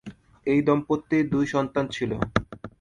এ দম্পতির দুই সন্তান ছিল।